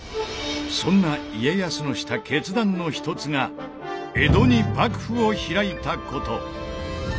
そんな家康のした決断の一つが江戸に幕府を開いたこと。